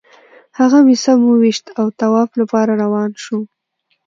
هغه مې سم وویشت او طواف لپاره روان شوو.